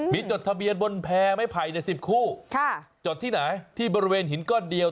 มีจดทะเบียนบนแพร่ไม้ไผ่ใน๑๐คู่จดที่ไหนที่บริเวณหินก้อนเดียว